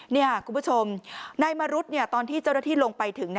นี่คุณผู้ชมนายมรุษตอนที่เจ้าหน้าที่ลงไปถึง